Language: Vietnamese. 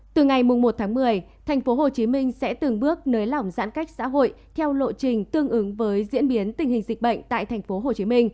từ ngày một tháng một mươi tp hcm sẽ từng bước nới lỏng giãn cách xã hội theo lộ trình tương ứng với diễn biến tình hình dịch bệnh tại tp hcm